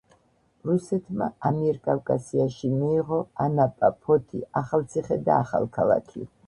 რუსეთმა ამიერკავკასიაში მიიღო ანაპა, ფოთი, ახალციხე და ახალქალაქი.